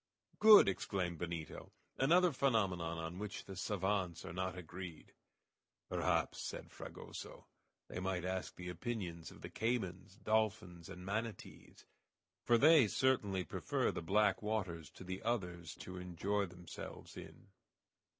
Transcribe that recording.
"Good!" exclaimed Benito. "Another phenomenon on which the savants are not agreed." "Perhaps," said Fragoso, "they might ask the opinions of the caymans, dolphins, and manatees, for they certainly prefer the black waters to the others to enjoy themselves in."